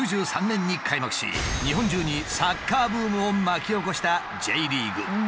１９９３年に開幕し日本中にサッカーブームを巻き起こしたＪリーグ。